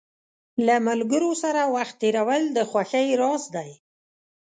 له ملګرو سره وخت تېرول د خوښۍ راز دی.